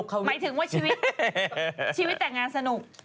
หมายถึงว่าชีวิตชีวิตแต่งงานสนุก